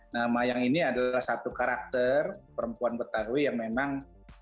nah mayang ini adalah satu karakter perempuan betawi yang memang